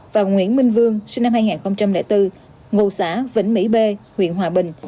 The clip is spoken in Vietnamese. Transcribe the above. và nguyễn minh vương sinh năm hai nghìn bốn ngụ xã vĩnh mỹ b huyện hòa bình